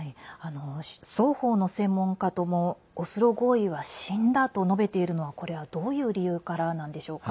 双方の専門家ともオスロ合意は死んだと述べているのは、これはどういう理由からなんでしょうか。